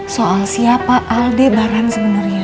soal siapa aldebaran sebenarnya